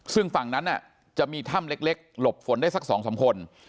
ซึ่งฝั่งนั้นจะมีถ้ำเล็กหลบฝนได้สัก๒๓คน